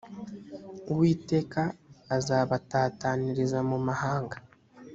uwiteka azabatataniriza mu mahanga.